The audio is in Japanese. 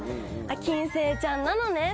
金星ちゃんなのね